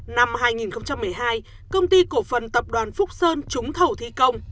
năm hai nghìn một mươi hai công ty cổ phần tập đoàn phúc sơn trúng thầu thi công